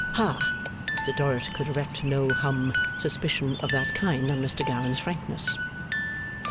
Ha! Mr Dorrit could erect no hum suspicion of that kind on Mr Gowan's frankness.